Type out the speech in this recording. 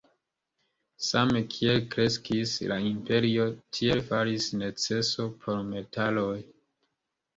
Same kiel kreskis la imperio, tiele faris neceso por metaloj.